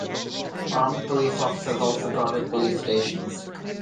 Armed police officers also guarded police stations.